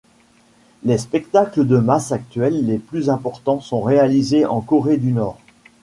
Les spectacles de masse actuels les plus importants sont réalisés en Corée du Nord.